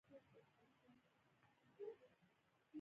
محشر رانږدې دی.